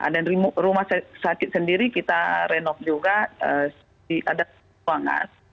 dan rumah sakit sendiri kita renov juga di ada ruangan